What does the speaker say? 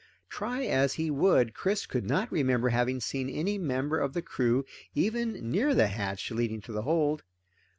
Try as he would, Chris could not remember having seen any member of the crew even near the hatch leading to the hold.